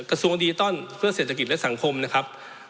กระทรวงดิจิทัลเพื่อเศรษฐกิจและสังคมนะครับ